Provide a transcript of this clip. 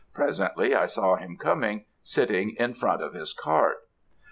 Presently, I saw him coming, sitting in front of his cart.